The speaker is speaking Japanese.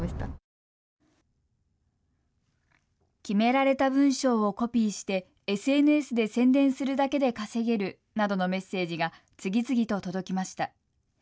決められた文章をコピーしてＳＮＳで宣伝するだけで稼げるなどのメッセージが次々と届きました。